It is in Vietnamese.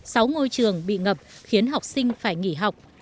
sáu ngôi trường bị ngập khiến học sinh phải nghỉ học